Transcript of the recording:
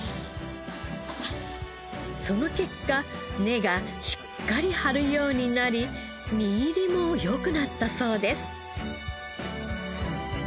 その結果根がしっかり張るようになり実入りも良くなったそうです。